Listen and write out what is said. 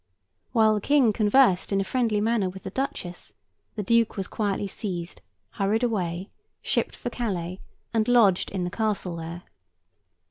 While the King conversed in a friendly manner with the Duchess, the Duke was quietly seized, hurried away, shipped for Calais, and lodged in the castle there.